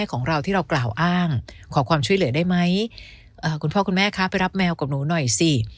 ก็จะบอกว่าคุณพ่อคุณแม่ค่ะไปรับแมวกับหนูหน่อยสิ